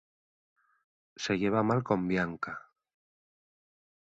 Se lleva mal con Bianca.